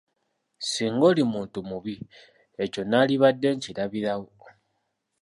Singa oli muntu mubi ekyo nnaalibadde nkirabirawo.